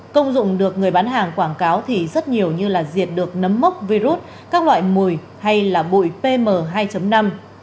công dụng được người bán hàng quảng cáo thì rất nhiều như là diệt được nấm mốc virus các loại mùi hay là bụi pm hai năm